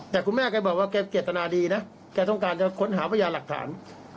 แต่คุณแม่แกบอกว่าแกเจตนาดีนะแกต้องการจะค้นหาพยานหลักฐาน